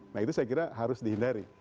nah itu saya kira harus dihindari